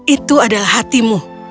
itu adalah hatimu